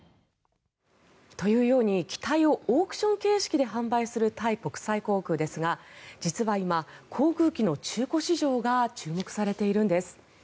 というように機体をオークション形式で販売するタイ国際航空ですが実は今、航空機の中古市場が注目されているんです。